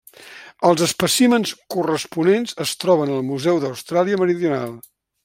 Els espècimens corresponents es troben al Museu d'Austràlia Meridional.